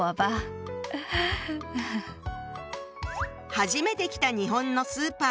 初めて来た日本のスーパー。